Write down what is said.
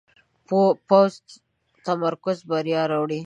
پوخ تمرکز بریا راوړي